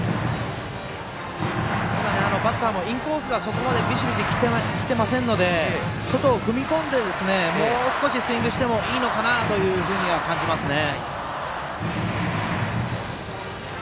ただバッターもインコースがビシビシ来ていませんので外に踏み込んでもう少しスイングしてもいいのかなとは感じますね。